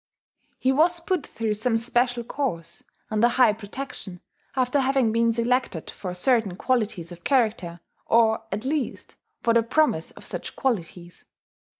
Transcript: He was put through some special course, under high protection, after having been selected for certain qualities of character, or at least for the promise of such qualities.